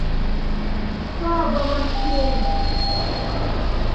Шкабаваскяй!